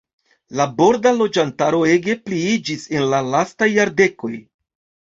La borda loĝantaro ege pliiĝis en la lastaj jardekoj.